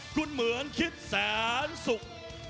คุณเหมือนคิดแสนสุข